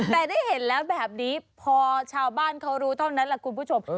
แต่ได้เห็นแล้วแบบนี้พอชาวบ้านเขารู้เท่านั้นแหละคุณผู้ชม